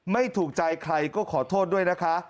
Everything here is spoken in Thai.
ไม่ถูกใจใครก็ขอโทษด้วยนะคะ